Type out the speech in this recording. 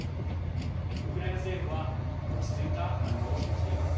ウクライナ政府は落ち着いた反応を示しています。